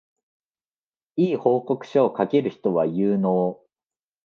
良い報告書を書ける人は有能